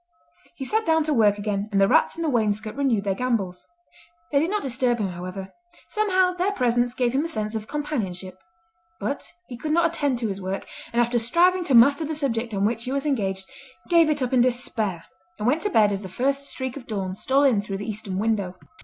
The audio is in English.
He sat down to work again, and the rats in the wainscot renewed their gambols. They did not disturb him, however; somehow their presence gave him a sense of companionship. But he could not attend to his work, and after striving to master the subject on which he was engaged gave it up in despair, and went to bed as the first streak of dawn stole in through the eastern window.